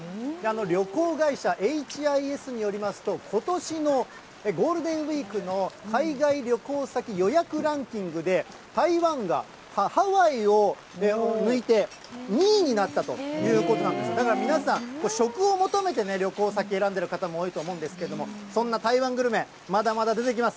旅行会社、エイチ・アイ・エスによりますと、ことしのゴールデンウィークの海外旅行先予約ランキングで、台湾がハワイを抜いて、２位になったということなんですよ、だから、皆さん、食を求めて旅行先選んでいる方も多いと思うんですけれども、そんな台湾グルメ、まだまだ出てきます。